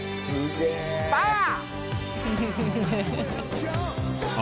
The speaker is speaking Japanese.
パワー！